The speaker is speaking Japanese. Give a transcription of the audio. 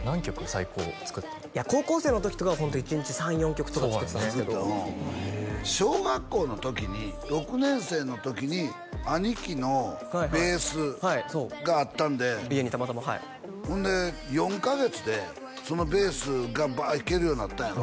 最高作ったの高校生の時とかはホント１日３４曲とか作ってた小学校の時に６年生の時に兄貴のベースがあったんで家にたまたまはいほんで４カ月でそのベースがバーッ弾けるようになったんやろ？